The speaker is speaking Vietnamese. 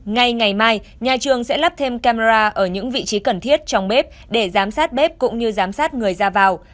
ngay ngày mai nhà trường sẽ lắp thêm camera ở những vị trí cần thiết trong bếp để giám sát bếp cũng như giám sát người ra vào